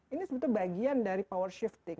ini sebetulnya bagian dari power shifting